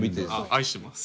愛してます。